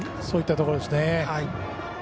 そういったところですね。